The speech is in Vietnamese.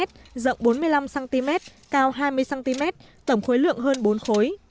rộng bốn mươi năm cm cao hai mươi cm tổng khối lượng hơn bốn khối